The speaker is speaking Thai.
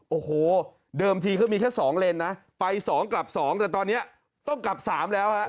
โอ้โหเดิมทีเขามีแค่๒เลนนะไป๒กลับ๒แต่ตอนนี้ต้องกลับ๓แล้วฮะ